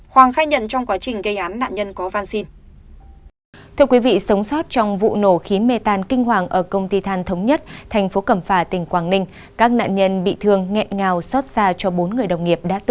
hoàng khai nhận trong quá trình gây án nạn nhân có văn xin